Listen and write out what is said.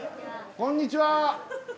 こんにちは。